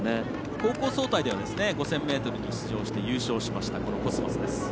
高校総体では５０００ｍに出場して優勝しましたコスマスです。